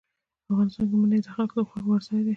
افغانستان کې منی د خلکو د خوښې وړ ځای دی.